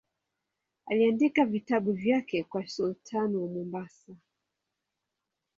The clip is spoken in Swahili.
Aliandika vitabu vyake kwa sultani wa Mombasa.